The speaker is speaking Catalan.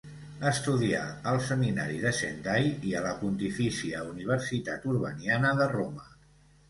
Estudià al seminari de Sendai i a la Pontifícia Universitat Urbaniana de Roma.